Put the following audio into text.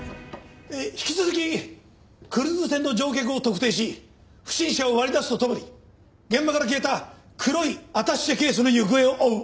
引き続きクルーズ船の乗客を特定し不審者を割り出すと共に現場から消えた黒いアタッシェケースの行方を追う。